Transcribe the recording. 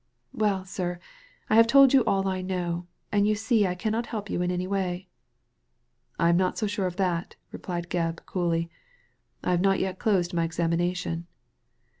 Well, sir, I have told you all I know, and you see I cannot help you in any way." '' I am not so sure of that," replied Gebb, cooUy. " I have not yet closed my examination."